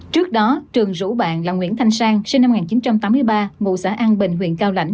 trước đó trường rủ bạn là nguyễn thanh sang sinh năm một nghìn chín trăm tám mươi ba ngụ xã an bình huyện cao lãnh